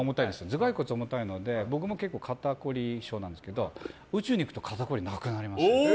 頭蓋骨が重たいので僕も結構肩こり症なんですけど宇宙に行くと肩こりなくなります。